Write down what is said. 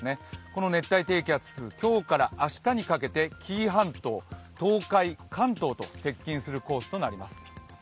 この熱帯低気圧、今日から明日にかけて紀伊半島、東海、関東と接近するコースとなります。